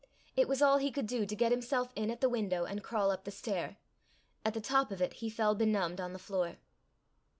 It was all he could do to get himself in at the window, and crawl up the stair. At the top of it he fell benumbed on the floor.